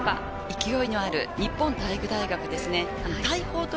勢いのある日本体育大学ですね。